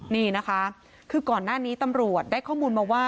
นี่นะคะคือก่อนหน้านี้ตำรวจได้ข้อมูลมาว่า